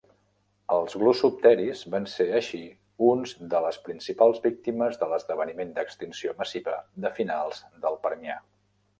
Els glossopteris van ser, així, uns de les principals víctimes de l'esdeveniment d'extinció massiva de finals del permià.